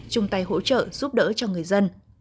chung tay hỗ trợ giúp đỡ cho người dân